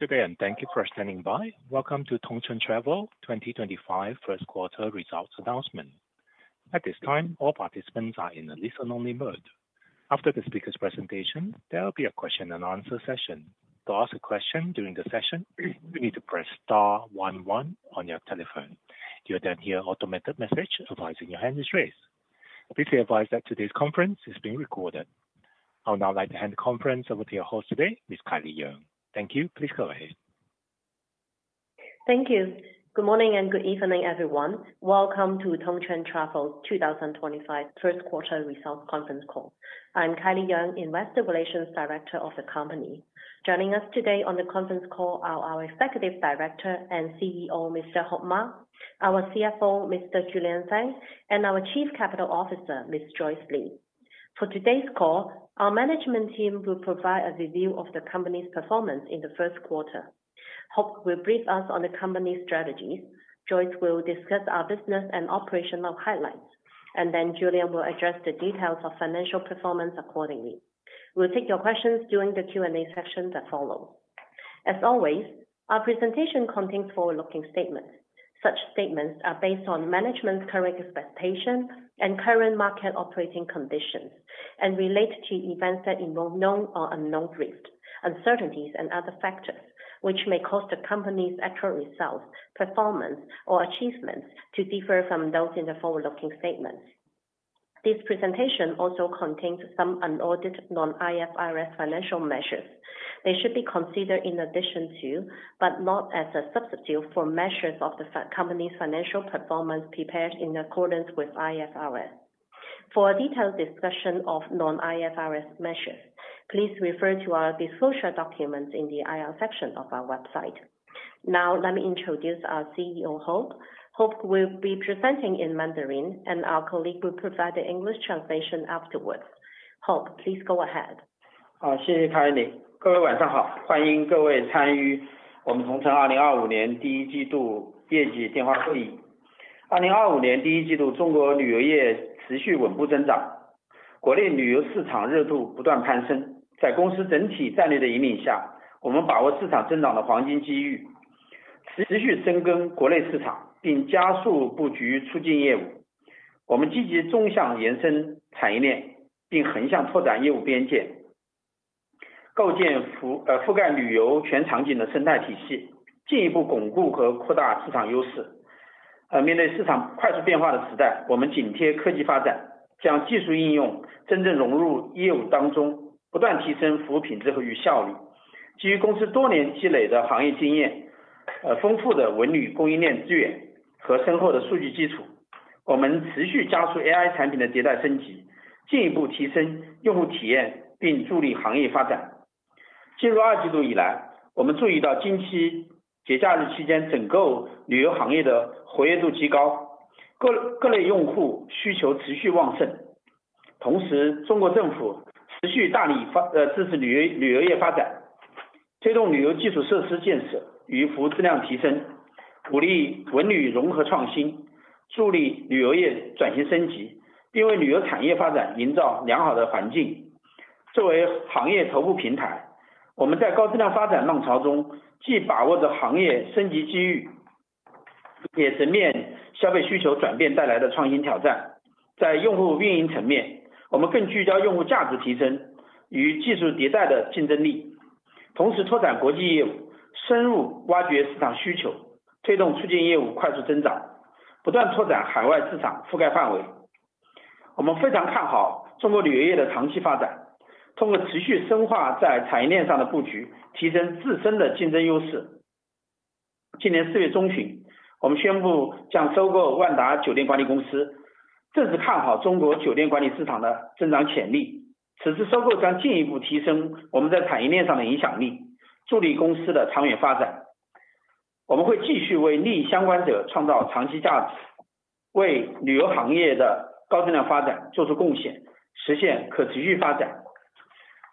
Good day and thank you for standing by. Welcome to Tongcheng Travel 2025 first quarter results announcement. At this time, all participants are in a listen-only mode. After the speaker's presentation, there will be a question-and-answer session. To ask a question during the session, you need to press star one one on your telephone. You will then hear an automated message advising you your hand is raised. Please be advised that today's conference is being recorded. I would now like to hand the conference over to your host today, Ms. Kylie Yeung. Thank you. Please go ahead. Thank you. Good morning and good evening, everyone. Welcome to Tongcheng Travel 2025 first quarter results conference call. I'm Kylie Yeung, Investor Relations Director of the company. Joining us today on the conference call are our Executive Director and CEO, Mr. Hao Ma, our CFO, Mr. Julian Fang, and our Chief Capital Officer, Ms. Joyce Lee. For today's call, our management team will provide a review of the company's performance in the first quarter. Hao will brief us on the company's strategies. Joyce will discuss our business and operational highlights, and then Julian will address the details of financial performance accordingly. We'll take your questions during the Q&A section that follows. As always, our presentation contains forward-looking statements. Such statements are based on management's current expectation and current market operating conditions and relate to events that involve known or unknown risks, uncertainties, and other factors which may cause the company's actual results, performance, or achievements to differ from those in the forward-looking statements. This presentation also contains some unaudited non-IFRS financial measures. They should be considered in addition to, but not as a substitute for, measures of the company's financial performance prepared in accordance with IFRS. For a detailed discussion of non-IFRS measures, please refer to our disclosure documents in the IR section of our website. Now, let me introduce our CEO, Hao Ma. Hao will be presenting in Mandarin, and our colleague will provide the English translation afterwards. Hao, please go ahead. 谢谢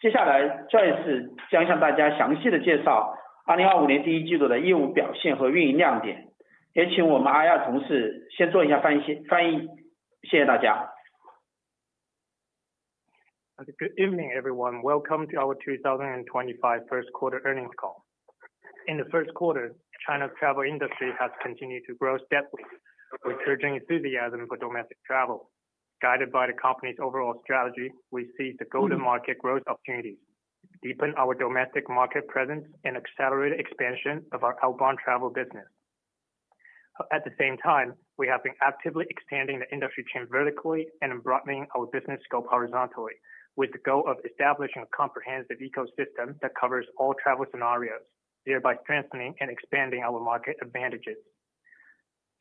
Good evening, everyone. Welcome to our 2025 first quarter earnings call. In the first quarter, China's travel industry has continued to grow steadily, with surging enthusiasm for domestic travel. Guided by the company's overall strategy, we see the golden market growth opportunities deepen our domestic market presence and accelerate expansion of our outbound travel business. At the same time, we have been actively expanding the industry chain vertically and broadening our business scope horizontally, with the goal of establishing a comprehensive ecosystem that covers all travel scenarios, thereby strengthening and expanding our market advantages.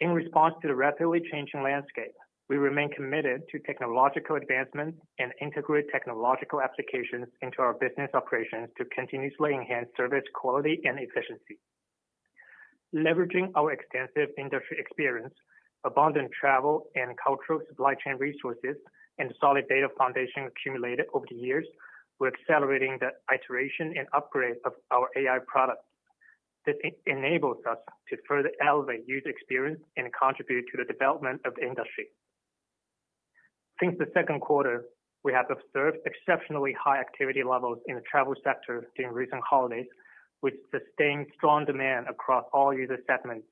In response to the rapidly changing landscape, we remain committed to technological advancements and integrate technological applications into our business operations to continuously enhance service quality and efficiency. Leveraging our extensive industry experience, abundant travel and cultural supply chain resources, and solid data foundation accumulated over the years, we're accelerating the iteration and upgrade of our AI products. This enables us to further elevate user experience and contribute to the development of the industry. Since the second quarter, we have observed exceptionally high activity levels in the travel sector during recent holidays, which sustained strong demand across all user segments.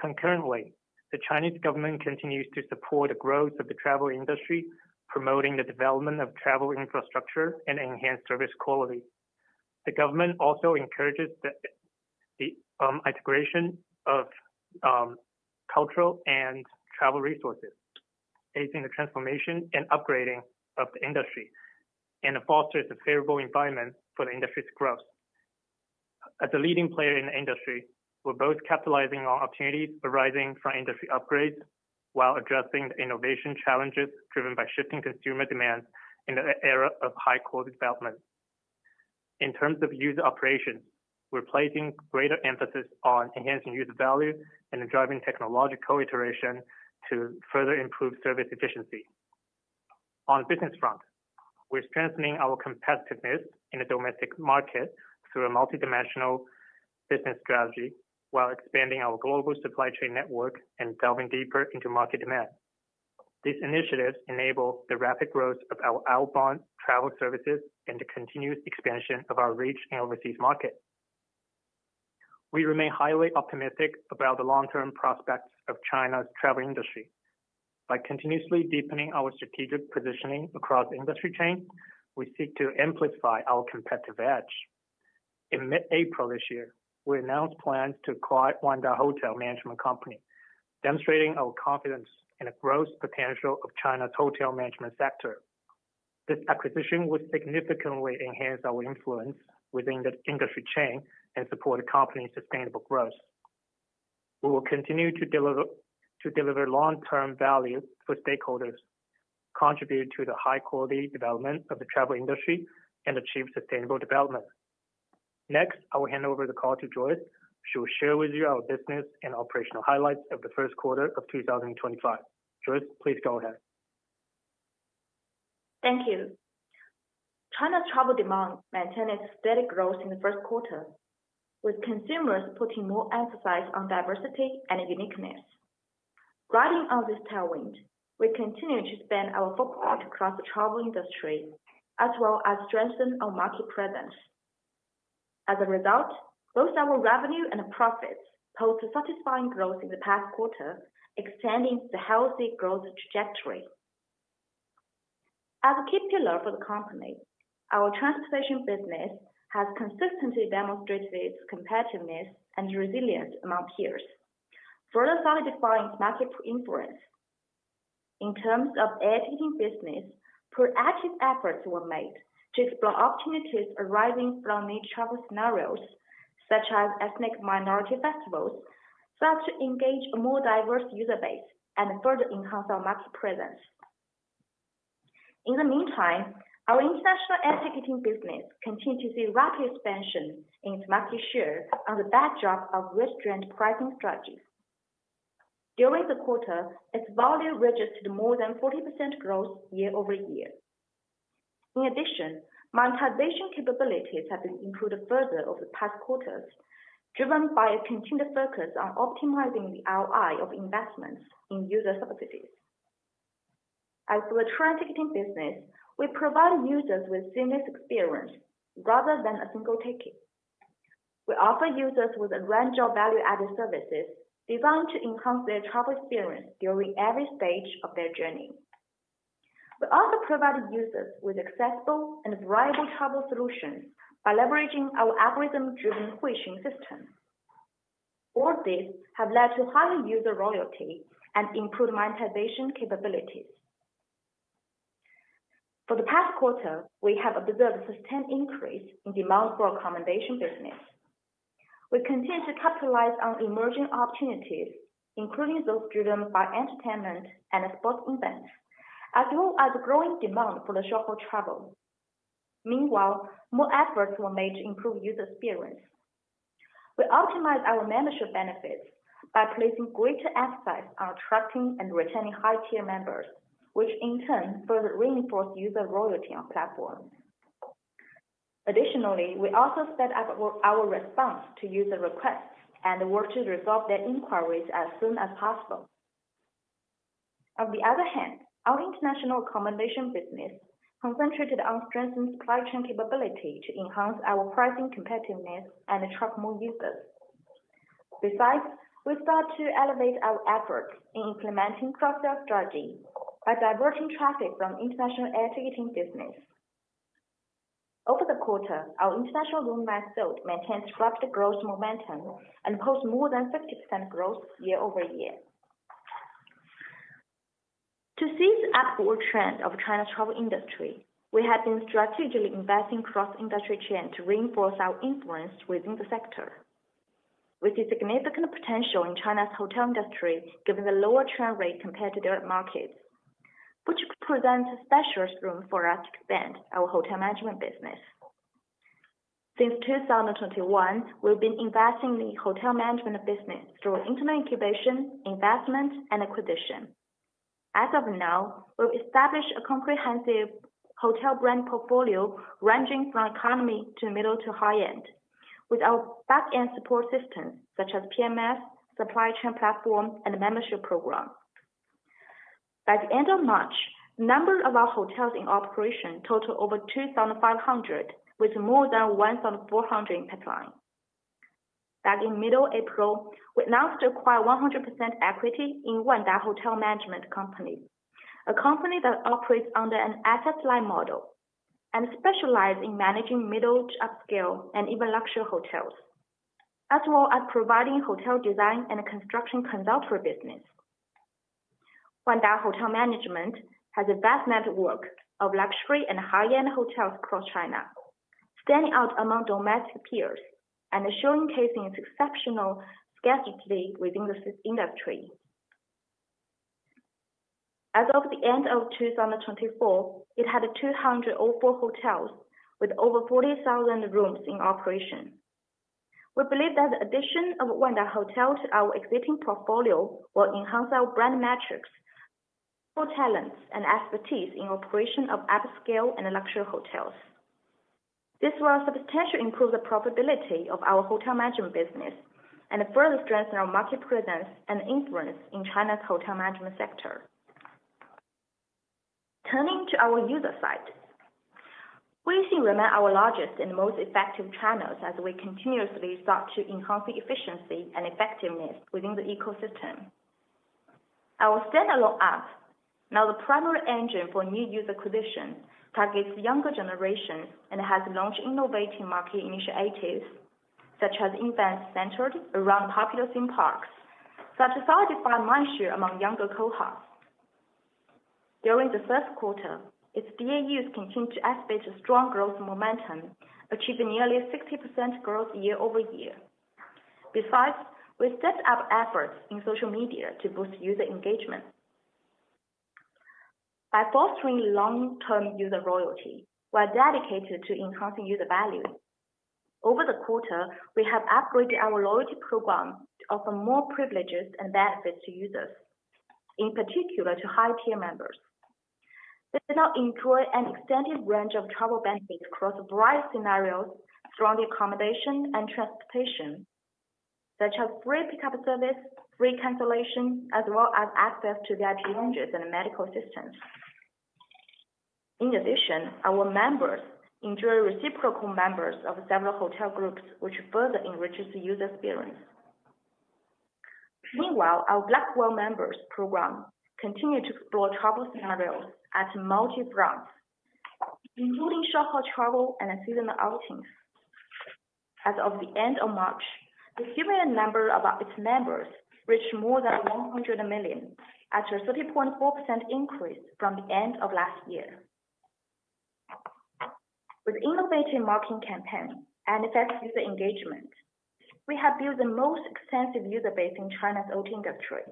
Concurrently, the Chinese government continues to support the growth of the travel industry, promoting the development of travel infrastructure and enhanced service quality. The government also encourages the integration of cultural and travel resources, aiding the transformation and upgrading of the industry and fosters a favorable environment for the industry's growth. As a leading player in the industry, we're both capitalizing on opportunities arising from industry upgrades while addressing the innovation challenges driven by shifting consumer demands in the era of high-quality development. In terms of user operations, we're placing greater emphasis on enhancing user value and driving technological iteration to further improve service efficiency. On the business front, we're strengthening our competitiveness in the domestic market through a multidimensional business strategy while expanding our global supply chain network and delving deeper into market demand. These initiatives enable the rapid growth of our outbound travel services and the continuous expansion of our reach in overseas markets. We remain highly optimistic about the long-term prospects of China's travel industry. By continuously deepening our strategic positioning across industry chains, we seek to amplify our competitive edge. In mid-April this year, we announced plans to acquire Wanda Hotel Management Company, demonstrating our confidence in the growth potential of China's hotel management sector. This acquisition will significantly enhance our influence within the industry chain and support the company's sustainable growth. We will continue to deliver long-term value for stakeholders, contribute to the high-quality development of the travel industry, and achieve sustainable development. Next, I will hand over the call to Joyce. She will share with you our business and operational highlights of the first quarter of 2025. Joyce, please go ahead. Thank you. China's travel demand maintained its steady growth in the first quarter, with consumers putting more emphasis on diversity and uniqueness. Riding on this tailwind, we continue to expand our footprint across the travel industry, as well as strengthen our market presence. As a result, both our revenue and profits posted satisfying growth in the past quarter, extending the healthy growth trajectory. As a key pillar for the company, our transportation business has consistently demonstrated its competitiveness and resilience among peers, further solidifying its market influence. In terms of accommodation business, proactive efforts were made to explore opportunities arising from new travel scenarios, such as ethnic minority festivals, so as to engage a more diverse user base and further enhance our market presence. In the meantime, our international accommodation business continued to see rapid expansion in its market share on the backdrop of restrained pricing strategies. During the quarter, its value registered more than 40% growth year over year. In addition, monetization capabilities have been improved further over the past quarters, driven by a continued focus on optimizing the ROI of investments in user subsidies. As for the transportation business, we provide users with a seamless experience rather than a single ticket. We offer users with a range of value-added services designed to enhance their travel experience during every stage of their journey. We also provide users with accessible and reliable travel solutions by leveraging our algorithm-driven questioning system. All these have led to higher user loyalty and improved monetization capabilities. For the past quarter, we have observed a sustained increase in demand for accommodation business. We continue to capitalize on emerging opportunities, including those driven by entertainment and sports events, as well as growing demand for the shuttle travel. Meanwhile, more efforts were made to improve user experience. We optimized our membership benefits by placing greater emphasis on attracting and retaining high-tier members, which in turn further reinforced user loyalty on platforms. Additionally, we also sped up our response to user requests and worked to resolve their inquiries as soon as possible. On the other hand, our international accommodation business concentrated on strengthening supply chain capability to enhance our pricing competitiveness and attract more users. Besides, we started to elevate our efforts in implementing cross-sales strategy by diverting traffic from international accommodation business. Over the quarter, our international accommodation business maintained rapid growth momentum and posted more than 50% growth year over year. To seize the upward trend of China's travel industry, we have been strategically investing across industry chains to reinforce our influence within the sector. We see significant potential in China's hotel industry, given the lower churn rate compared to developed markets, which presents special room for us to expand our hotel management business. Since 2021, we've been investing in the hotel management business through internal incubation, investment, and acquisition. As of now, we've established a comprehensive hotel brand portfolio ranging from economy to middle to high end, with our backend support systems such as PMS, supply chain platform, and membership program. By the end of March, the number of our hotels in operation totaled over 2,500, with more than 1,400 in pipeline. Back in mid-April, we announced acquired 100% equity in Wanda Hotel Management Company, a company that operates under an asset line model and specializes in managing middle-to-upscale and even luxury hotels, as well as providing hotel design and construction consulting business. Wanda Hotel Management has a vast network of luxury and high-end hotels across China, standing out among domestic peers and showcasing its exceptional schedule within the industry. As of the end of 2024, it had 204 hotels with over 40,000 rooms in operation. We believe that the addition of Wanda Hotel to our existing portfolio will enhance our brand metrics for talents and expertise in operation of upscale and luxury hotels. This will substantially improve the profitability of our hotel management business and further strengthen our market presence and influence in China's hotel management sector. Turning to our user side, we remain our largest and most effective channels as we continuously sought to enhance the efficiency and effectiveness within the ecosystem. Our standalone app, now the primary engine for new user acquisition, targets younger generations and has launched innovative market initiatives such as events centered around popular theme parks that solidify mindshare among younger cohorts. During the first quarter, its DAUs continued to activate a strong growth momentum, achieving nearly 60% growth year over year. Besides, we stepped up efforts in social media to boost user engagement. By fostering long-term user loyalty, we are dedicated to enhancing user value. Over the quarter, we have upgraded our loyalty program to offer more privileges and benefits to users, in particular to high-tier members. They now enjoy an extended range of travel benefits across a variety of scenarios, surrounding accommodation and transportation, such as free pickup service, free cancellation, as well as access to VIP lounges and medical assistance. In addition, our members enjoy reciprocal membership of several hotel groups, which further enriches the user experience. Meanwhile, our Blackwell members program continues to explore travel scenarios at multi-brands, including shuttle travel and seasonal outings. As of the end of March, the number of its members reached more than 100 million after a 30.4% increase from the end of last year. With innovative marketing campaigns and effective user engagement, we have built the most extensive user base in China's hotel industry.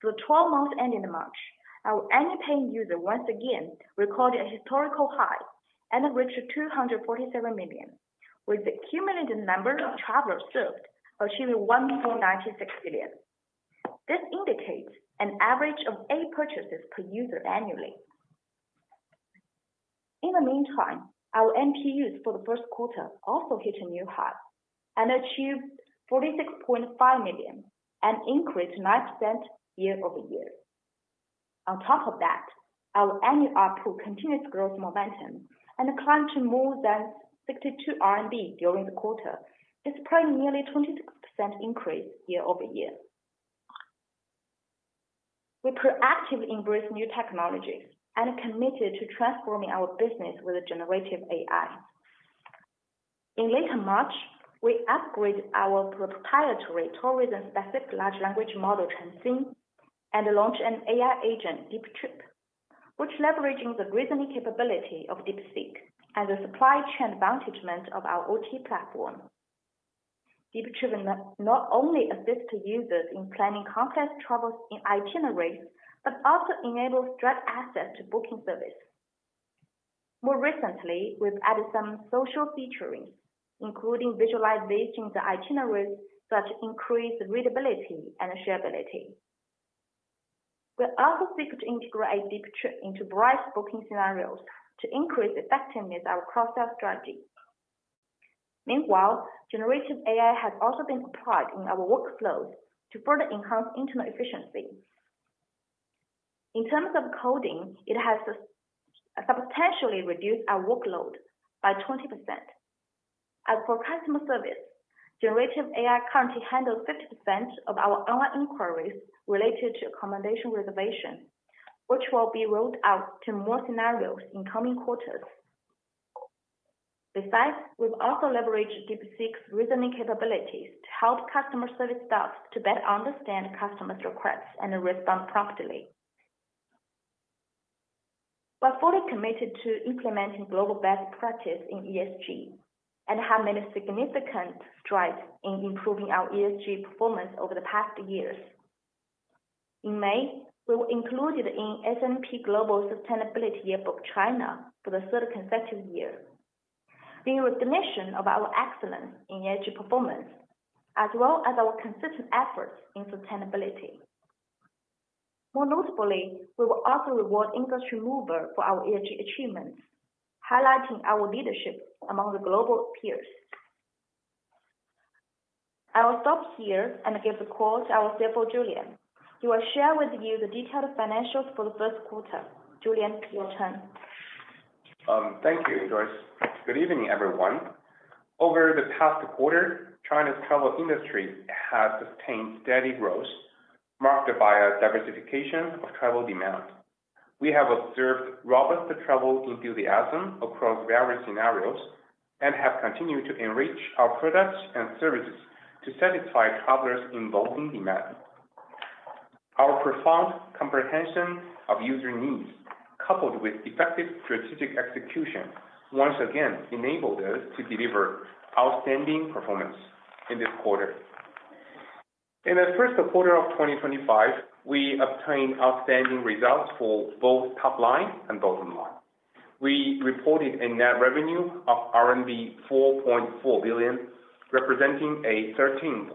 For the 12 months ending in March, our annual paying user once again recorded a historical high and reached 247 million, with the cumulative number of travelers served achieving 1,496 million. This indicates an average of eight purchases per user annually. In the meantime, our NPUs for the first quarter also hit a new high and achieved 46.5 million and increased 9% year-over-year. On top of that, our annual output continues to grow momentum and climbed to more than 62 R&D during the quarter, displaying nearly 26% increase year over year. We proactively embrace new technologies and are committed to transforming our business with generative AI. In late March, we upgraded our proprietary tourism-specific large language model Chenxing and launched an AI agent, Deep Trip, which leverages the reasoning capability of DeepSeek and the supply chain advantagement of our OTA platform. Deep Trip not only assists users in planning complex travel itineraries, but also enables direct access to booking service. More recently, we've added some social features, including visualizing the itineraries that increase readability and shareability. We also seek to integrate Deep Trip into bright booking scenarios to increase effectiveness of our cross-sales strategy. Meanwhile, generative AI has also been applied in our workflows to further enhance internal efficiency. In terms of coding, it has substantially reduced our workload by 20%. As for customer service, generative AI currently handles 50% of our online inquiries related to accommodation reservations, which will be rolled out to more scenarios in coming quarters. Besides, we've also leveraged DeepSeek's reasoning capabilities to help customer service staff to better understand customers' requests and respond promptly. We're fully committed to implementing global best practice in ESG and have made a significant stride in improving our ESG performance over the past years. In May, we were included in S&P Global Sustainability Yearbook China for the third consecutive year, being recognition of our excellence in ESG performance, as well as our consistent efforts in sustainability. More notably, we will also reward industry movers for our ESG achievements, highlighting our leadership among the global peers. I will stop here and give the call to our CFO, Julian. He will share with you the detailed financials for the first quarter. Julian, your turn. Thank you, Joyce. Good evening, everyone. Over the past quarter, China's travel industry has sustained steady growth, marked by a diversification of travel demand. We have observed robust travel enthusiasm across various scenarios and have continued to enrich our products and services to satisfy travelers' evolving demand. Our profound comprehension of user needs, coupled with effective strategic execution, once again enabled us to deliver outstanding performance in this quarter. In the first quarter of 2025, we obtained outstanding results for both top line and bottom line. We reported a net revenue of RMB 4.4 billion, representing a 13.2%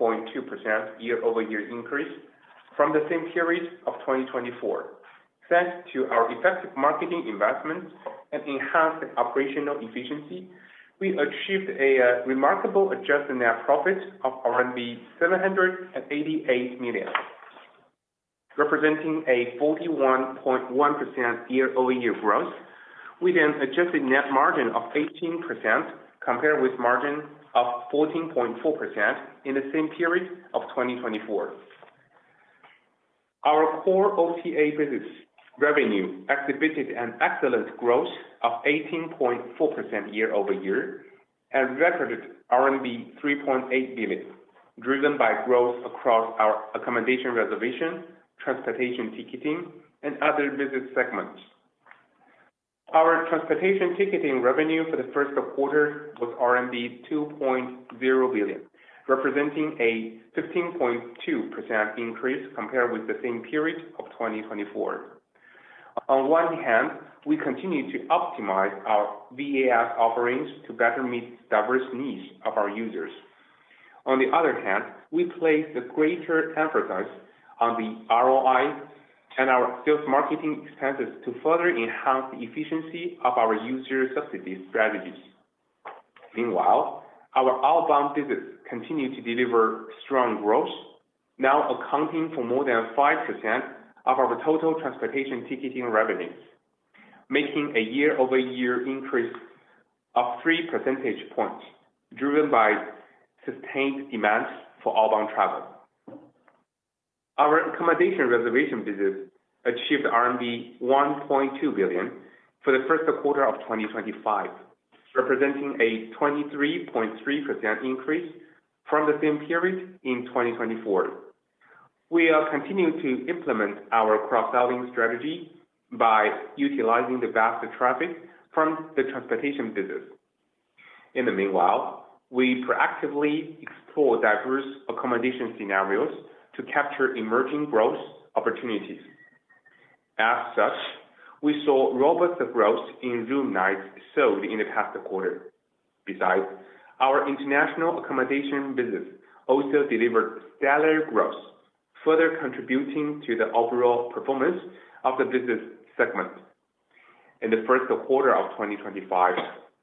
year-over-year increase from the same period of 2024. Thanks to our effective marketing investments and enhanced operational efficiency, we achieved a remarkable adjusted net profit of RMB 788 million, representing a 41.1% year-over-year growth. We then adjusted net margin of 18% compared with margin of 14.4% in the same period of 2024. Our core OTA business revenue exhibited an excellent growth of 18.4% year-over-year and recorded RMB 3.8 billion, driven by growth across our accommodation reservation, transportation ticketing, and other business segments. Our transportation ticketing revenue for the first quarter was RMB 2.0 billion, representing a 15.2% increase compared with the same period of 2024. On one hand, we continue to optimize our VAS offerings to better meet the diverse needs of our users. On the other hand, we place the greater emphasis on the ROI and our sales marketing expenses to further enhance the efficiency of our user subsidy strategies. Meanwhile, our outbound business continues to deliver strong growth, now accounting for more than 5% of our total transportation ticketing revenues, making a year-over-year increase of 3 percentage points, driven by sustained demand for outbound travel. Our accommodation reservation business achieved RMB 1.2 billion for the first quarter of 2025, representing a 23.3% increase from the same period in 2024. We continue to implement our cross-selling strategy by utilizing the vast traffic from the transportation business. In the meanwhile, we proactively explore diverse accommodation scenarios to capture emerging growth opportunities. As such, we saw robust growth in room nights sold in the past quarter. Besides, our international accommodation business also delivered stellar growth, further contributing to the overall performance of the business segment. In the first quarter of 2025,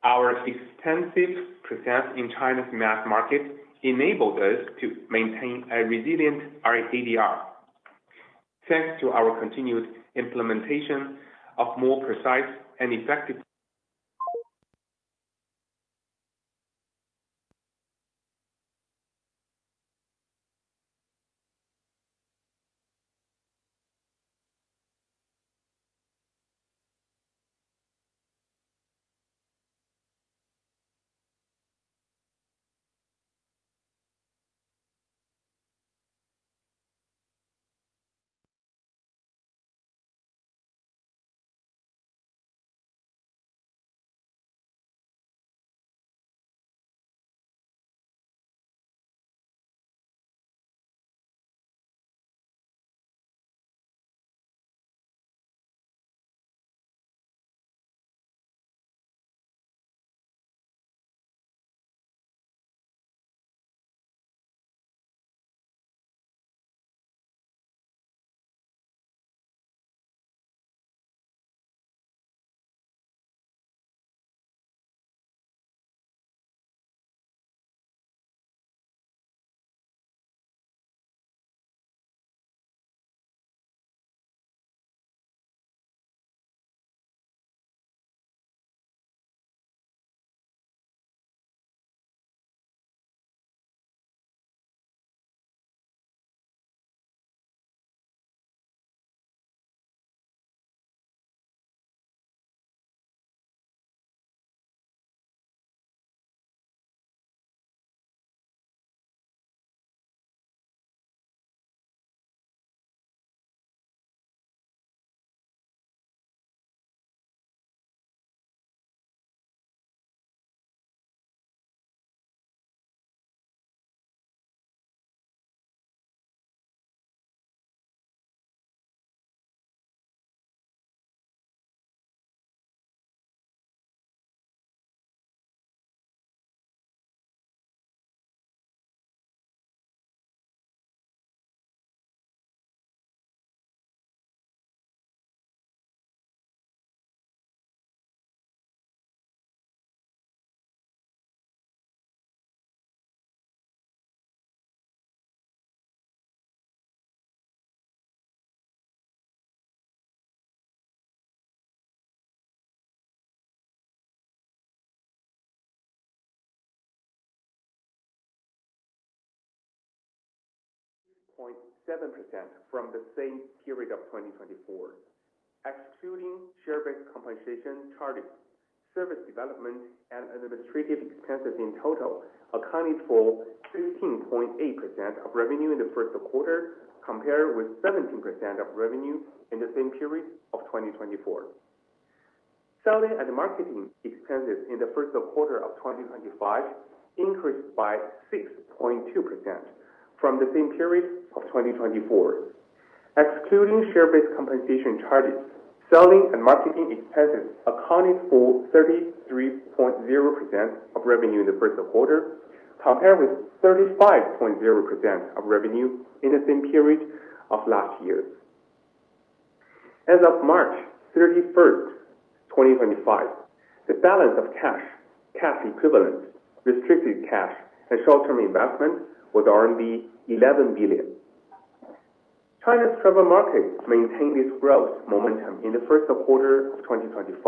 our extensive presence in China's mass market enabled us to maintain a resilient ADR. Thanks to our continued implementation of more precise and effective. 2.7% from the same period of 2024. Excluding share-based compensation charges, service development, and administrative expenses in total, accounted for 15.8% of revenue in the first quarter, compared with 17% of revenue in the same period of 2024. Selling and marketing expenses in the first quarter of 2025 increased by 6.2% from the same period of 2024. Excluding share-based compensation charges, selling and marketing expenses accounted for 33.0% of revenue in the first quarter, compared with 35.0% of revenue in the same period of last year. As of March 31, 2025, the balance of cash, cash equivalents, restricted cash, and short-term investment was RMB 11 billion. China's travel market maintained its growth momentum in the first quarter of 2025,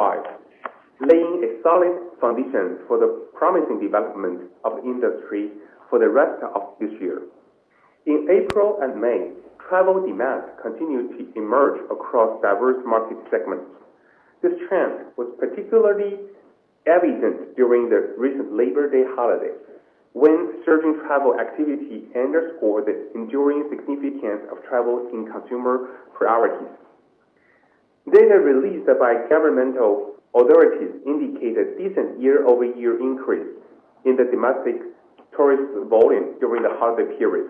laying a solid foundation for the promising development of industry for the rest of this year. In April and May, travel demand continued to emerge across diverse market segments. This trend was particularly evident during the recent Labor Day holiday, when surging travel activity underscored the enduring significance of travel in consumer priorities. Data released by governmental authorities indicated a decent year-over-year increase in the domestic tourist volume during the holiday period.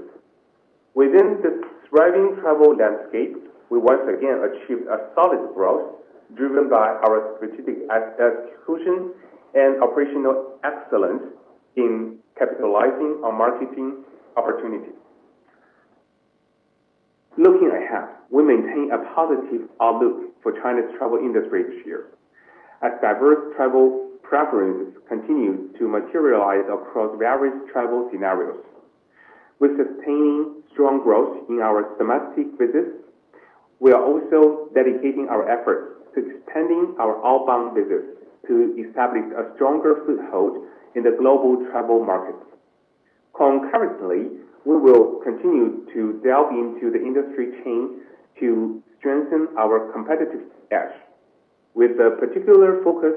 Within this thriving travel landscape, we once again achieved solid growth, driven by our strategic execution and operational excellence in capitalizing on marketing opportunities. Looking ahead, we maintain a positive outlook for China's travel industry this year, as diverse travel preferences continue to materialize across various travel scenarios. With sustaining strong growth in our domestic business, we are also dedicating our efforts to expanding our outbound business to establish a stronger foothold in the global travel market. Concurrently, we will continue to delve into the industry chain to strengthen our competitive edge, with a particular focus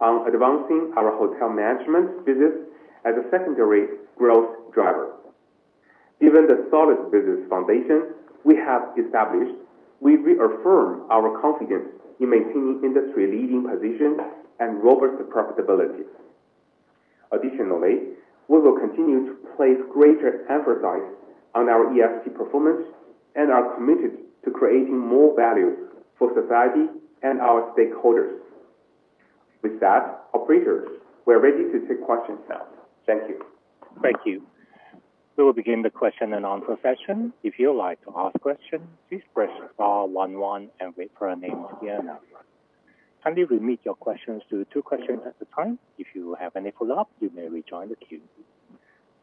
on advancing our hotel management business as a secondary growth driver. Given the solid business foundation we have established, we reaffirm our confidence in maintaining industry-leading positions and robust profitability. Additionally, we will continue to place greater emphasis on our ESG performance and are committed to creating more value for society and our stakeholders. With that, operators, we are ready to take questions now. Thank you. Thank you. We will begin the question and answer session. If you'd like to ask a question, please press star 11 and wait for your name to be announced. Kindly remit your questions to two questions at a time. If you have any follow-up, you may rejoin the queue.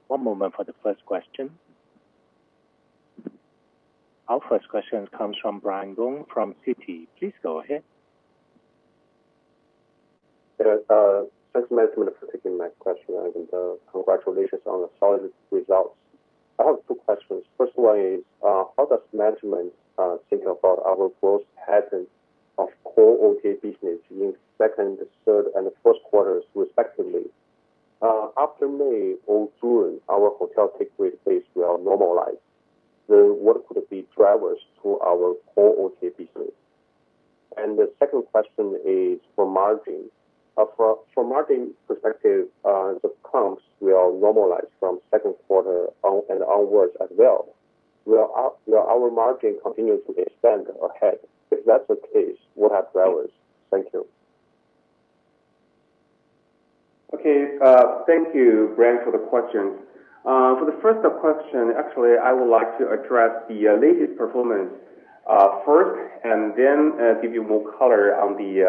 One moment for the first question. Our first question comes from Brian Gong from Citigroup. Please go ahead. Thanks, Madam, for taking my question, and congratulations on the solid results. I have two questions. First one is, how does management think about our growth pattern of core OTA business in second, third, and fourth quarters, respectively? After May or June, our hotel takeaway space will normalize. What could be drivers for our core OTA business? The second question is for margin. From a margin perspective, the comps will normalize from second quarter onwards as well. Will our margin continue to expand ahead? If that's the case, what are drivers? Thank you. Okay. Thank you, Brian, for the questions. For the first question, actually, I would like to address the latest performance first and then give you more color on the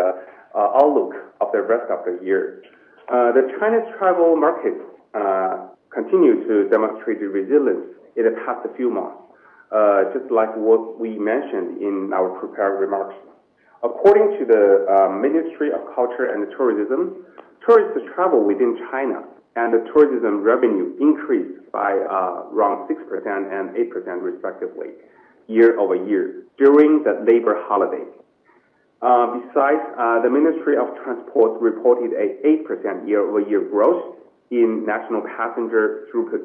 outlook of the rest of the year. The Chinese travel market continues to demonstrate resilience in the past few months, just like what we mentioned in our prepared remarks. According to the Ministry of Culture and Tourism, tourists travel within China, and the tourism revenue increased by around 6% and 8%, respectively, year-over-year during the Labor holiday. Besides, the Ministry of Transport reported an 8% year-over-year growth in national passenger throughput.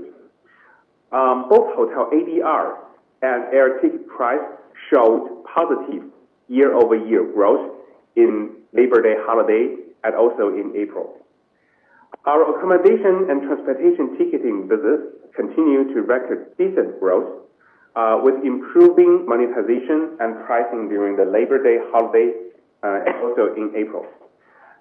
Both hotel ADR and air ticket price showed positive year-over-year growth in Labor Day holiday and also in April. Our accommodation and transportation ticketing business continues to record decent growth, with improving monetization and pricing during the Labor Day holiday and also in April.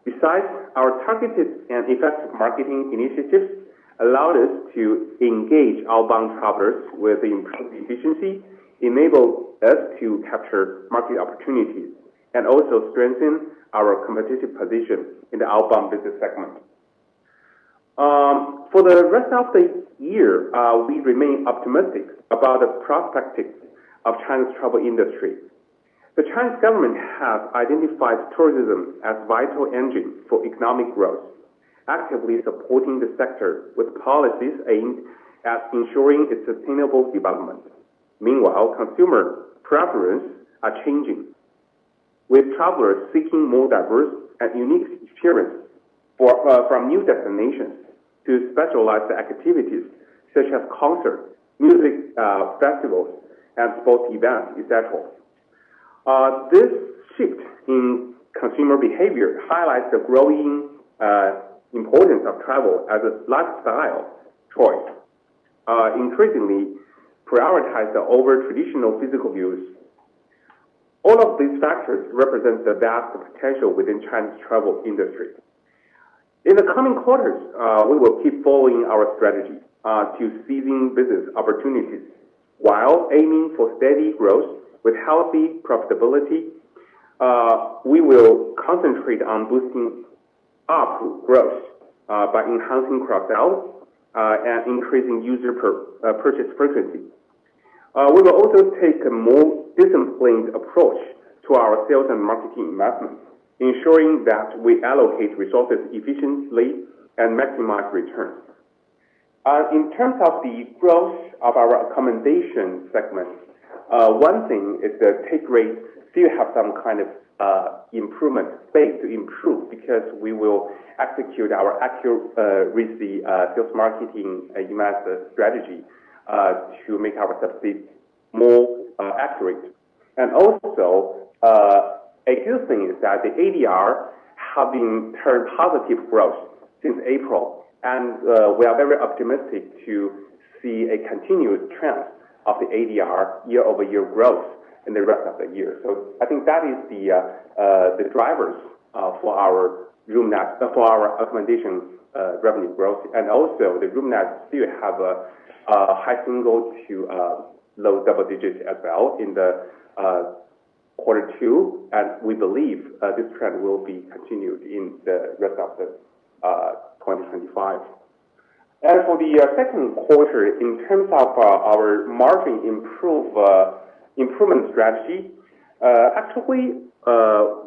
Besides, our targeted and effective marketing initiatives allowed us to engage outbound travelers with improved efficiency, enabled us to capture market opportunities, and also strengthen our competitive position in the outbound business segment. For the rest of the year, we remain optimistic about the prospect of China's travel industry. The Chinese government has identified tourism as a vital engine for economic growth, actively supporting the sector with policies aimed at ensuring its sustainable development. Meanwhile, consumer preferences are changing, with travelers seeking more diverse and unique experiences from new destinations to specialized activities such as concerts, music festivals, and sports events, etc. This shift in consumer behavior highlights the growing importance of travel as a lifestyle choice, increasingly prioritized over traditional physical views. All of these factors represent the vast potential within China's travel industry. In the coming quarters, we will keep following our strategy to seize business opportunities. While aiming for steady growth with healthy profitability, we will concentrate on boosting up growth by enhancing cross-sell and increasing user purchase frequency. We will also take a more disciplined approach to our sales and marketing investments, ensuring that we allocate resources efficiently and maximize returns. In terms of the growth of our accommodation segment, one thing is the takeaway still has some kind of improvement space to improve because we will execute our accurate risky sales marketing strategy to make our subsidies more accurate. Also, a good thing is that the ADR has been turning positive growth since April, and we are very optimistic to see a continuous trend of the ADR year-over-year growth in the rest of the year. I think that is the drivers for our accommodation revenue growth. The room nights still have a high single to low double digits as well in the quarter two, and we believe this trend will be continued in the rest of 2025. For the second quarter, in terms of our margin improvement strategy, actually,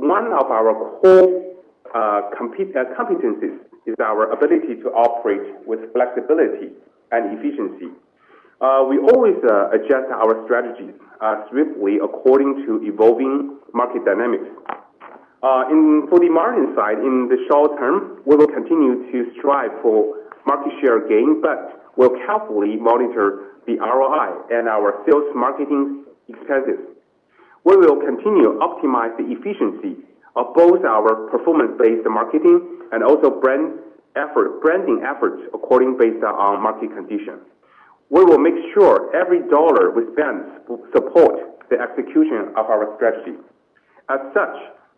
one of our core competencies is our ability to operate with flexibility and efficiency. We always adjust our strategies swiftly according to evolving market dynamics. For the margin side, in the short term, we will continue to strive for market share gain, but we'll carefully monitor the ROI and our sales marketing expenses. We will continue to optimize the efficiency of both our performance-based marketing and also branding efforts based on market conditions. We will make sure every dollar we spend supports the execution of our strategy. As such,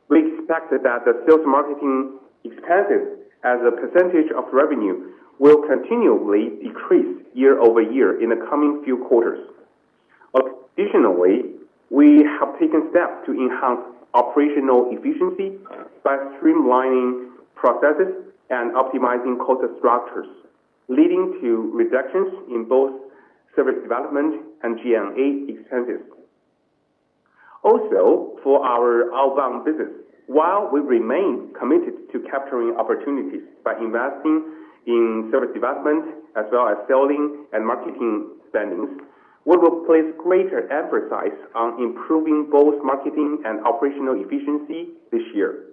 we expect that the sales marketing expenses as a percentage of revenue will continually decrease year-over-year in the coming few quarters. Additionally, we have taken steps to enhance operational efficiency by streamlining processes and optimizing cost structures, leading to reductions in both service development and G&A expenses. Also, for our outbound business, while we remain committed to capturing opportunities by investing in service development as well as selling and marketing spendings, we will place greater emphasis on improving both marketing and operational efficiency this year.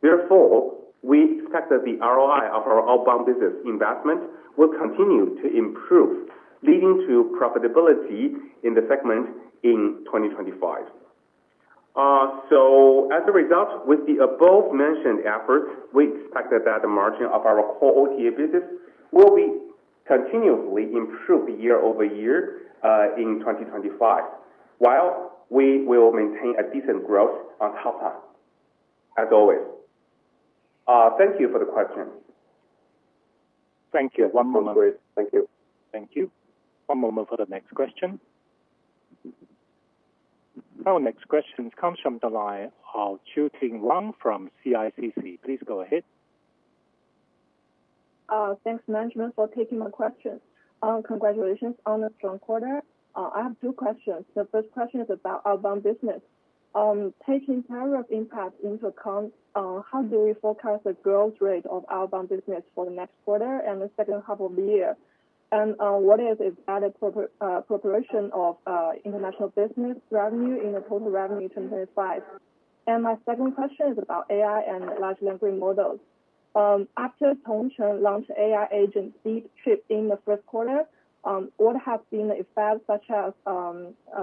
Therefore, we expect that the ROI of our outbound business investment will continue to improve, leading to profitability in the segment in 2025. As a result, with the above-mentioned efforts, we expect that the margin of our core OTA business will continually improve year-over-year in 2025, while we will maintain a decent growth on top of that, as always. Thank you for the question. Thank you. One moment. Thank you. Thank you. One moment for the next question. Our next question comes from Chu Ting Wang from CICC. Please go ahead. Thanks, Management, for taking my question. Congratulations on a strong quarter. I have two questions. The first question is about outbound business. Taking tariff impact into account, how do we forecast the growth rate of outbound business for the next quarter and the second half of the year? What is the adequate preparation of international business revenue in the total revenue in 2025? My second question is about AI and large language models. After Tongcheng launched AI agent Deep Trip in the first quarter, what have been the effects, such as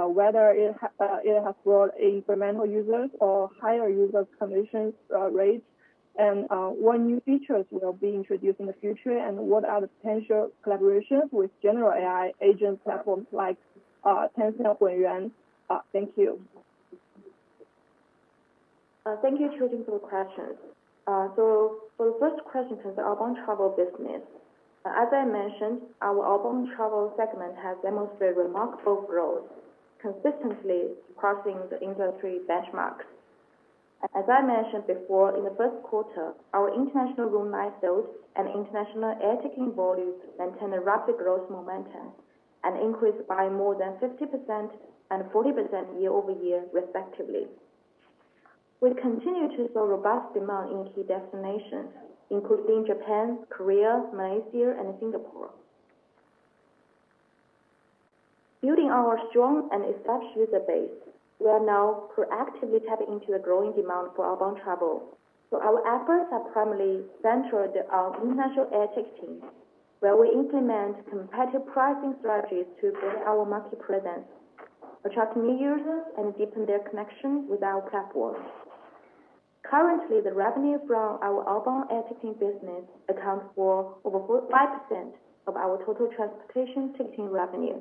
whether it has brought incremental users or higher user commission rates? What new features will be introduced in the future? What are the potential collaborations with general AI agent platforms like Tencent or Yuan? Thank you. Thank you, Chu Ting, for the questions. For the first question, it concerns outbound travel business. As I mentioned, our outbound travel segment has demonstrated remarkable growth, consistently surpassing the industry benchmarks. As I mentioned before, in the first quarter, our international room nights sales and international air ticketing volumes maintained a rapid growth momentum and increased by more than 50% and 40% year-over-year, respectively. We continue to see robust demand in key destinations, including Japan, South Korea, Malaysia, and Singapore. Building our strong and established user base, we are now proactively tapping into the growing demand for outbound travel. Our efforts are primarily centered on international air ticketing, where we implement competitive pricing strategies to build our market presence, attract new users, and deepen their connections with our platform. Currently, the revenue from our outbound air ticketing business accounts for over 5% of our total transportation ticketing revenue.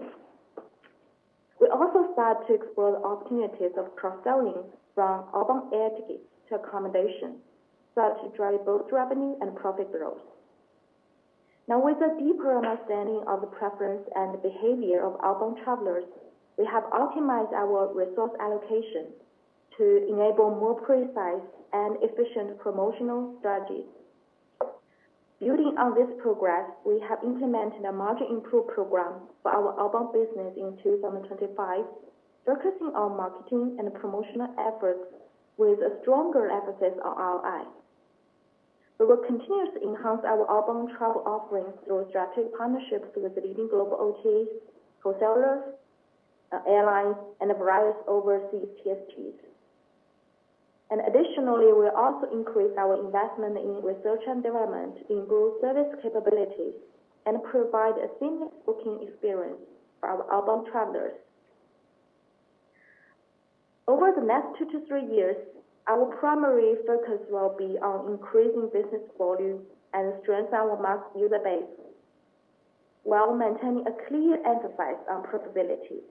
We also started to explore the opportunities of cross-selling from outbound air tickets to accommodation, so as to drive both revenue and profit growth. Now, with a deeper understanding of the preference and behavior of outbound travelers, we have optimized our resource allocation to enable more precise and efficient promotional strategies. Building on this progress, we have implemented a margin improvement program for our outbound business in 2025, focusing on marketing and promotional efforts with a stronger emphasis on ROI. We will continue to enhance our outbound travel offerings through strategic partnerships with leading global OTAs, wholesalers, airlines, and various overseas TSPs. Additionally, we will also increase our investment in research and development to improve service capabilities and provide a seamless booking experience for our outbound travelers. Over the next two to three years, our primary focus will be on increasing business volume and strengthening our mass user base while maintaining a clear emphasis on profitability.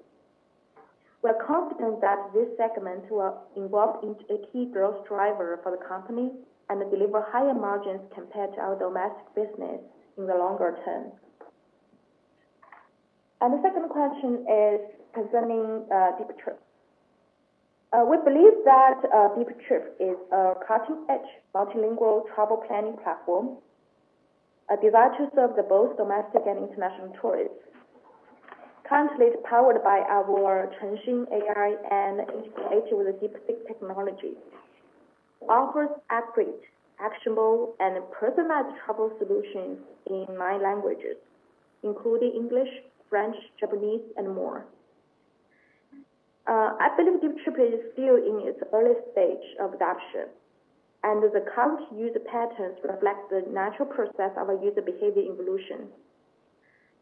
We are confident that this segment will evolve into a key growth driver for the company and deliver higher margins compared to our domestic business in the longer term. The second question is concerning Deep Trip. We believe that Deep Trip is a cutting-edge multilingual travel planning platform designed to serve both domestic and international tourists. Currently, it's powered by our Chenxing AI and integrated with DeepSeek technology. It offers accurate, actionable, and personalized travel solutions in nine languages, including English, French, Japanese, and more. I believe Deep Trip is still in its early stage of adoption, and the current user patterns reflect the natural process of user behavior evolution.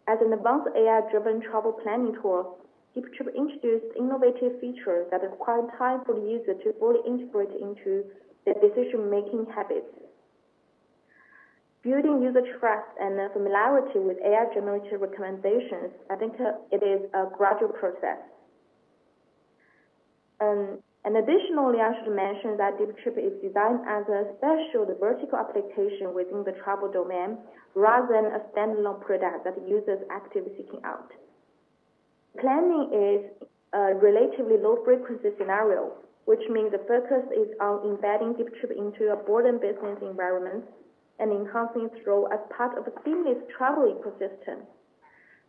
As an advanced AI-driven travel planning tool, Deep Trip introduced innovative features that require time for the user to fully integrate into their decision-making habits. Building user trust and familiarity with AI-generated recommendations, I think it is a gradual process. Additionally, I should mention that Deep Trip is designed as a special vertical application within the travel domain rather than a standalone product that users actively seek out. Planning is a relatively low-frequency scenario, which means the focus is on embedding Deep Trip into a boarding business environment and enhancing its role as part of a seamless travel ecosystem.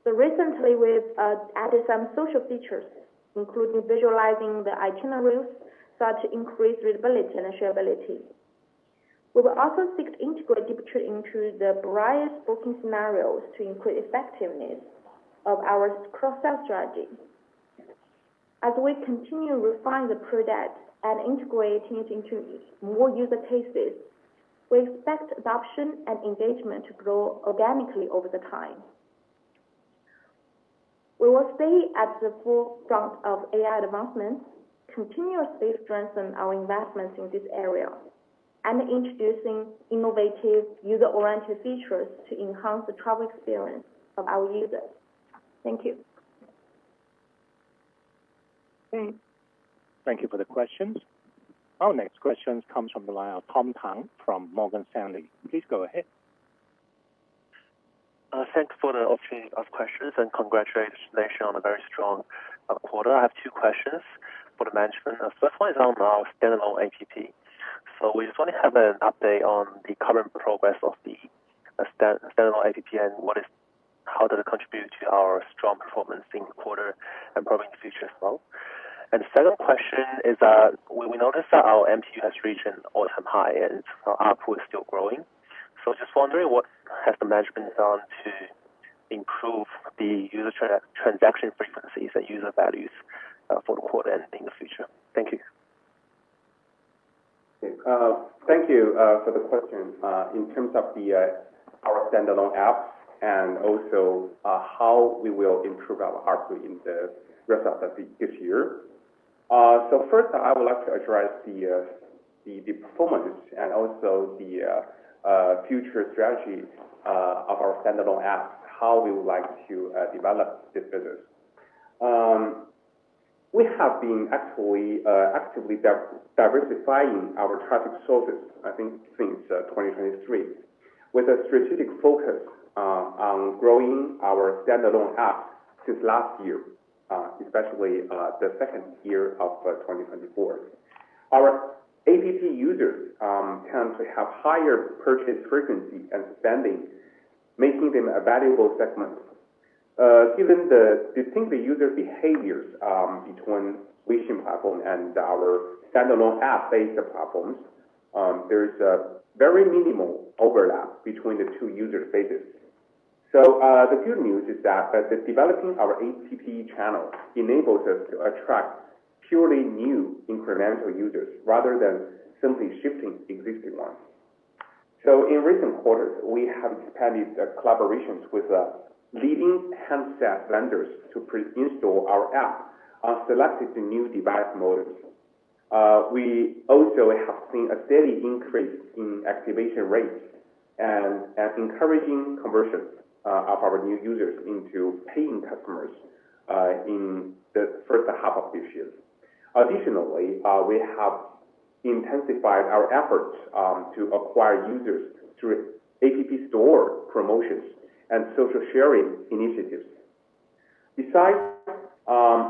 Recently, we've added some social features, including visualizing the itineraries so as to increase readability and shareability. We will also seek to integrate Deep Trip into the various booking scenarios to increase the effectiveness of our cross-sell strategy. As we continue to refine the product and integrate it into more user cases, we expect adoption and engagement to grow organically over time. We will stay at the forefront of AI advancements, continuously strengthening our investments in this area, and introducing innovative user-oriented features to enhance the travel experience of our users. Thank you. Thank you for the questions. Our next question comes from Tom Tang from Morgan Stanley. Please go ahead. Thank you for the opportunity to ask questions and congratulations on a very strong quarter. I have two questions for the Management. The first one is on our standalone app. We just want to have an update on the current progress of the standalone app and how it has contributed to our strong performance in the quarter and probably in the future as well. The second question is that we noticed that our MTU has reached an all-time high and our output is still growing. Just wondering what has the Management done to improve the user transaction frequencies and user values for the quarter and in the future. Thank you. Thank you for the question. In terms of our standalone apps and also how we will improve our output in the rest of this year. First, I would like to address the performance and also the future strategy of our standalone apps, how we would like to develop this business. We have been actively diversifying our traffic sources, I think, since 2023, with a strategic focus on growing our standalone apps since last year, especially the second year of 2024. Our app users tend to have higher purchase frequency and spending, making them a valuable segment. Given the distinct user behaviors between Wixin platform and our standalone app-based platforms, there is a very minimal overlap between the two user bases. The good news is that developing our app channel enables us to attract purely new incremental users rather than simply shifting existing ones. In recent quarters, we have expanded collaborations with leading handset vendors to install our app on selected new device models. We also have seen a steady increase in activation rates and encouraging conversions of our new users into paying customers in the first half of this year. Additionally, we have intensified our efforts to acquire users through app store promotions and social sharing initiatives. Besides,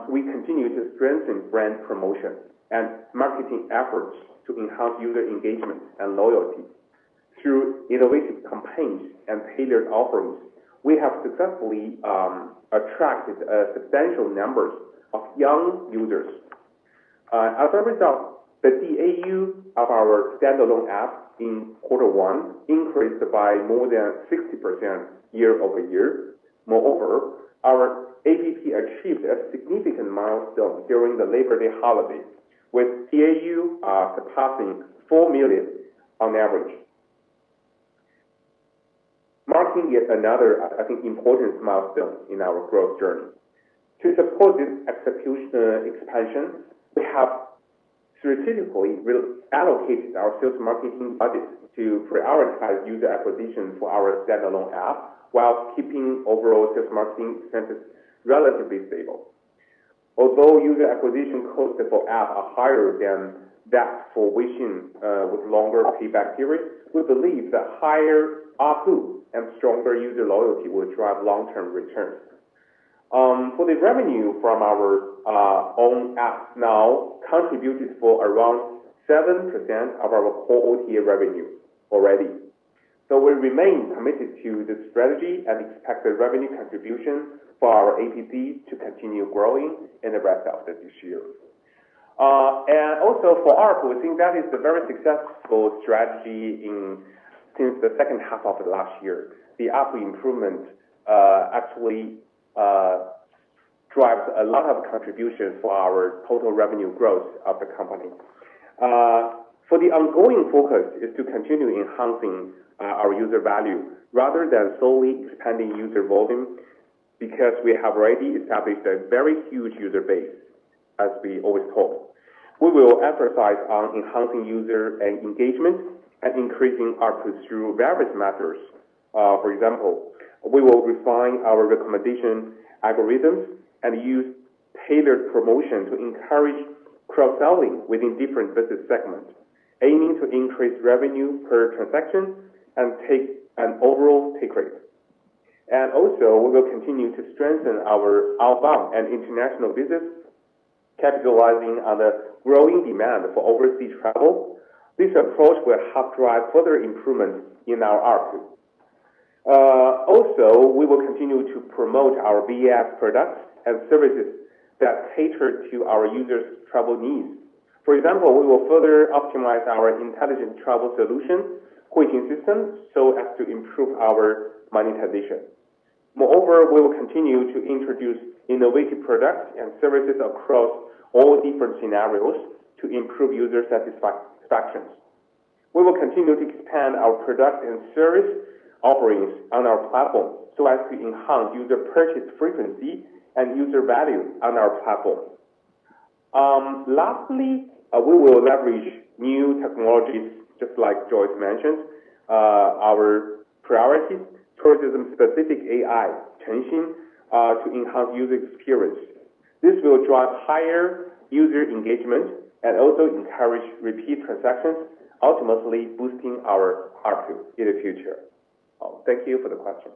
we continue to strengthen brand promotion and marketing efforts to enhance user engagement and loyalty. Through innovative campaigns and tailored offerings, we have successfully attracted substantial numbers of young users. As a result, the DAU of our standalone app in quarter one increased by more than 60% year-over-year. Moreover, our app achieved a significant milestone during the Labor Day holiday, with DAU surpassing 4 million on average, marking yet another, I think, important milestone in our growth journey. To support this expansion, we have strategically allocated our sales marketing budget to prioritize user acquisition for our standalone app while keeping overall sales marketing expenses relatively stable. Although user acquisition costs for app are higher than that for Wixin with longer payback periods, we believe that higher ROI and stronger user loyalty will drive long-term returns. For the revenue from our own app now contributed for around 7% of our core OTA revenue already. We remain committed to the strategy and expected revenue contribution for our app to continue growing in the rest of this year. Also, for our boarding, that is a very successful strategy since the second half of last year. The app improvement actually drives a lot of contributions for our total revenue growth of the company. The ongoing focus is to continue enhancing our user value rather than solely expanding user volume because we have already established a very huge user base, as we always hope. We will emphasize enhancing user engagement and increasing ROI through various methods. For example, we will refine our recommendation algorithms and use tailored promotion to encourage cross-selling within different business segments, aiming to increase revenue per transaction and take an overall pay grade. We will continue to strengthen our outbound and international business, capitalizing on the growing demand for overseas travel. This approach will help drive further improvements in our ROI. Also, we will continue to promote our VAS products and services that cater to our users' travel needs. For example, we will further optimize our intelligent travel solution quitting system so as to improve our monetization. Moreover, we will continue to introduce innovative products and services across all different scenarios to improve user satisfaction. We will continue to expand our product and service offerings on our platform so as to enhance user purchase frequency and user value on our platform. Lastly, we will leverage new technologies, just like Joyce mentioned, our priorities, tourism-specific AI, Chenxing, to enhance user experience. This will drive higher user engagement and also encourage repeat transactions, ultimately boosting our ROI in the future. Thank you for the question.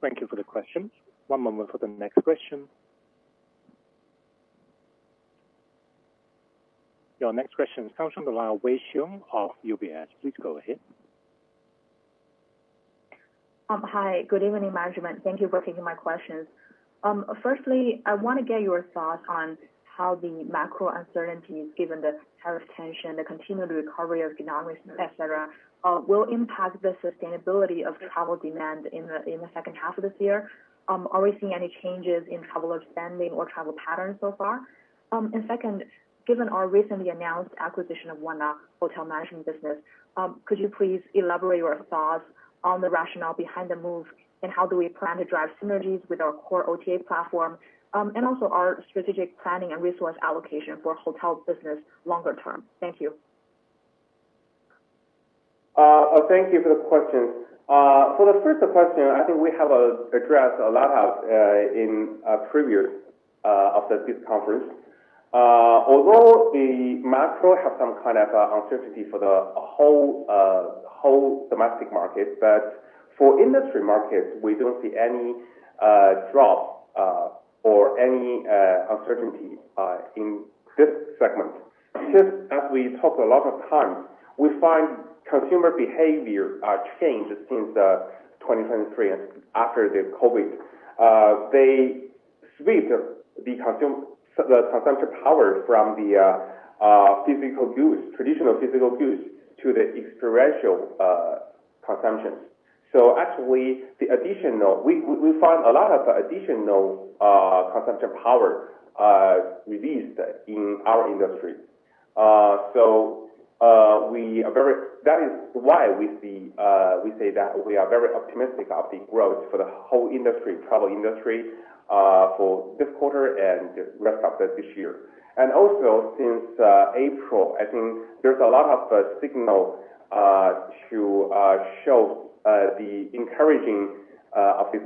Thank you for the question. One moment for the next question. Your next question comes from Wei xiong of UBS. Please go ahead. Hi. Good evening, Management. Thank you for taking my questions. Firstly, I want to get your thoughts on how the macro uncertainties, given the tariff tension, the continued recovery of economics, etc., will impact the sustainability of travel demand in the second half of this year. Are we seeing any changes in travel spending or travel patterns so far? Second, given our recently announced acquisition of Wanda Hotel Management business, could you please elaborate your thoughts on the rationale behind the move and how do we plan to drive synergies with our core OTA platform and also our strategic planning and resource allocation for hotel business longer term? Thank you. Thank you for the question. For the first question, I think we have addressed a lot in previous of this conference. Although the macro has some kind of uncertainty for the whole domestic market, for industry markets, we do not see any drop or any uncertainty in this segment. Just as we talked a lot of times, we find consumer behavior changed since 2023 and after the COVID. They sweep the consumption power from the traditional physical goods to the experiential consumption. Actually, we find a lot of additional consumption power released in our industry. That is why we say that we are very optimistic of the growth for the whole industry, travel industry, for this quarter and the rest of this year. Also, since April, I think there are a lot of signals to show the encouraging of this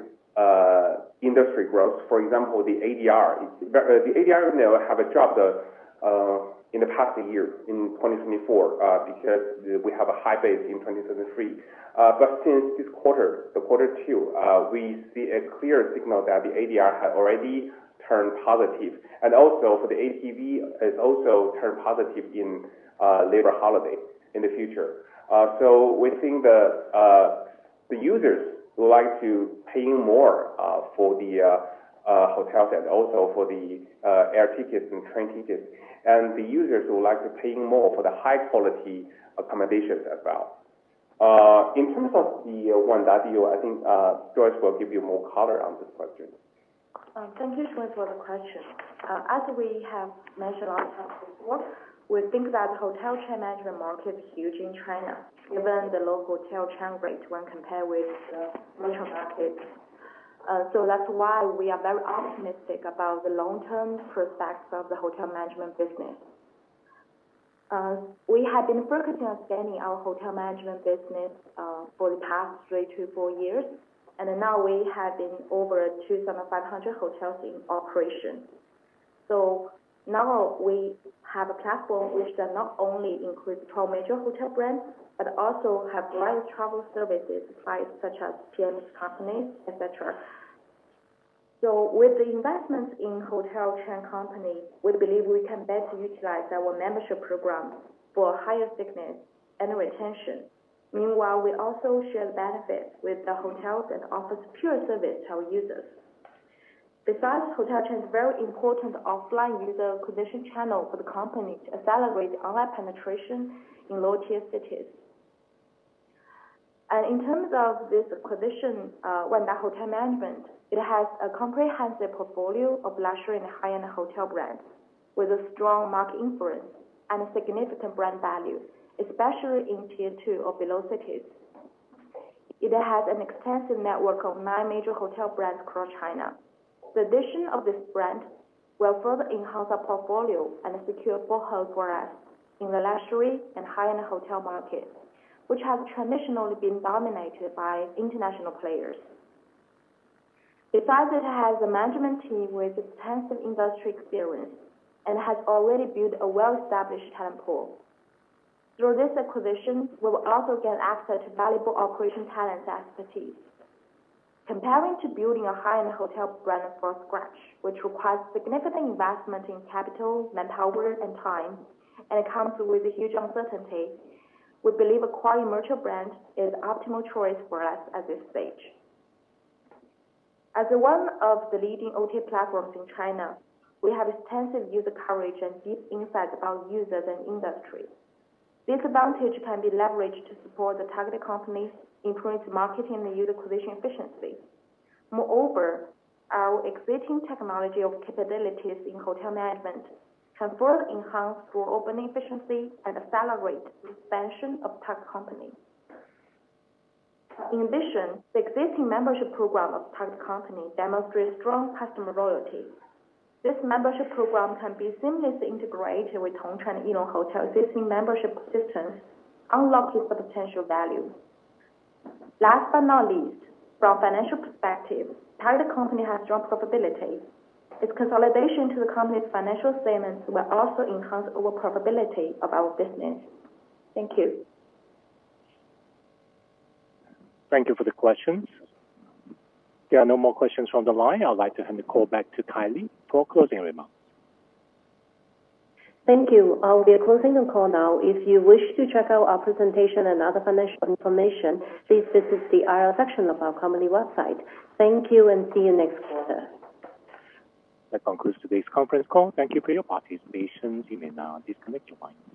industry growth. For example, the ADR, the ADR have a job in the past year in 2024 because we have a high base in 2023. Since this quarter, the quarter two, we see a clear signal that the ADR has already turned positive. Also, for the APP, it's also turned positive in Labor Holiday in the future. We think the users would like to pay more for the hotels and also for the air tickets and train tickets. The users would like to pay more for the high-quality accommodations as well. In terms of the Wan W, I think Joyce will give you more color on this question. Thank you, for the question. As we have mentioned a lot of times before, we think that the hotel chain management market is huge in China, given the low hotel churn rate when compared with the regional markets. That is why we are very optimistic about the long-term prospects of the hotel management business. We have been focusing on scaling our hotel management business for the past three to four years. Now we have over 2,500 hotels in operation. Now we have a platform which does not only include 12 major hotel brands, but also has various travel services such as PMS companies, etc. With the investments in hotel chain companies, we believe we can better utilize our membership program for higher stickiness and retention. Meanwhile, we also share the benefits with the hotels and offer secure service to our users. Besides, hotel chain is a very important offline user acquisition channel for the company to accelerate online penetration in low-tier cities. In terms of this acquisition, Wanda Hotel Management, it has a comprehensive portfolio of luxury and high-end hotel brands with a strong market influence and significant brand value, especially in tier two or below cities. It has an extensive network of nine major hotel brands across China. The addition of this brand will further enhance our portfolio and secure forecasts in the luxury and high-end hotel market, which has traditionally been dominated by international players. Besides, it has a management team with extensive industry experience and has already built a well-established talent pool. Through this acquisition, we will also gain access to valuable operation talents and expertise. Comparing to building a high-end hotel brand from scratch, which requires significant investment in capital, mental work, and time, and comes with huge uncertainty, we believe acquiring a merchant brand is an optimal choice for us at this stage. As one of the leading OTA platforms in China, we have extensive user coverage and deep insights about users and industry. This advantage can be leveraged to support the targeted companies, improving marketing and user acquisition efficiency. Moreover, our existing technology of capabilities in hotel management can further enhance through opening efficiency and accelerate the expansion of targeted companies. In addition, the existing membership program of targeted companies demonstrates strong customer loyalty. This membership program can be seamlessly integrated with Tongchuan Yilong Hotel's existing membership systems, unlocking substantial value. Last but not least, from a financial perspective, targeted company has strong profitability. Its consolidation to the company's financial statements will also enhance overall profitability of our business. Thank you. Thank you for the questions. There are no more questions from the line. I'd like to hand the call back to Kylie for closing remarks. Thank you. We are closing the call now. If you wish to check out our presentation and other financial information, please visit the IR section of our company website. Thank you and see you next quarter. That concludes today's conference call. Thank you for your participation. You may now disconnect your line.